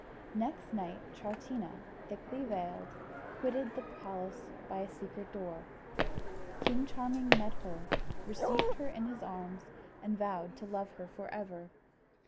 Next night Troutina, thickly veiled, quitted the palace by a secret door. King Charming met her, received her in his arms, and vowed to love her for ever.